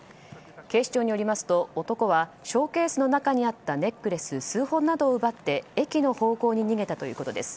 警視庁によりますと男はショーケースの中にあったネックレス数本などを奪って駅の方向に逃げたということです。